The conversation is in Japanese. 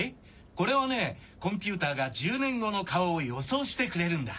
これはねコンピューターが１０年後の顔を予想してくれるんだ。